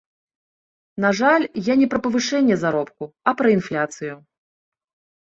На жаль, я не пра павышэнне заробку, а пра інфляцыю.